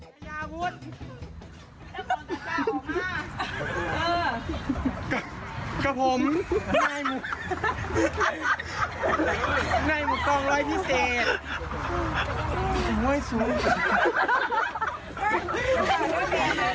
ก็อยู่ดนตรอนนี้คือสุด